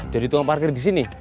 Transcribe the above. jadi tunggu parkir disini